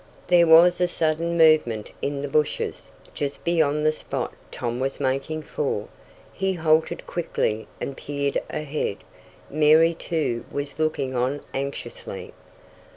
There was a sudden movement in the bushes, just beyond the spot Tom was making for. He halted quickly and peered ahead. Mary, too, was looking on anxiously.